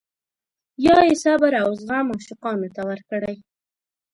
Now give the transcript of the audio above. یا یې صبر او زغم عاشقانو ته ورکړی.